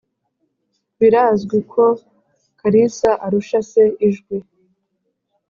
birazwi ko karisa arusha se ijwi.